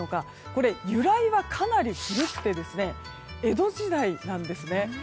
これ由来はかなり古くて江戸時代なんです。